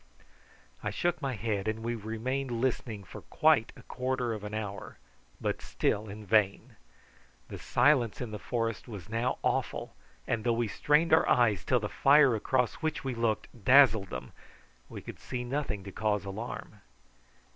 I shook my head, and we remained listening for quite a quarter of an hour, but still in vain. The silence in the forest was now awful, and though we strained our eyes till the fire across which we looked dazzled them, we could see nothing to cause alarm.